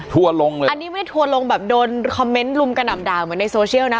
ลงเลยอันนี้ไม่ได้ทัวร์ลงแบบโดนคอมเมนต์ลุมกระหน่ำด่าเหมือนในโซเชียลนะ